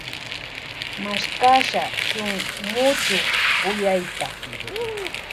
Mashkasha shun muchuk kuyayta.